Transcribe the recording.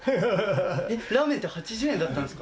えっ、ラーメンって８０円だったんですか？